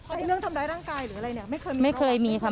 ในเรื่องทำร้ายร่างกายหรืออะไรเนี่ยไม่เคยมีครับ